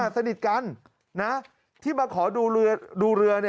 สนิทกันที่มาขอดูเรือ